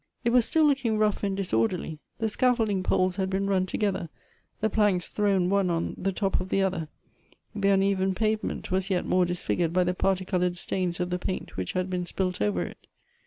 It was still looking rough and disorderly. The scaf folding poles had been run together, the planks thrown one on the top of the other ; the uneven pavement was yet more disfigured by the particolored stains of the paint which had been spilt over it.